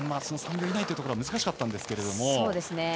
その３秒以内というところは難しかったんですけれども。